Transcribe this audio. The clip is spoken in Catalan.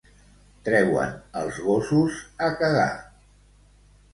Treuen els gossos a cagar.